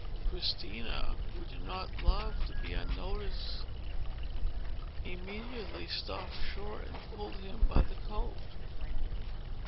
Christina, who did not love to be unnoticed, immediately stopped short, and pulled him by the coat.